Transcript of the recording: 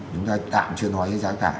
chúng ta tạm chuyên hóa cái giá cả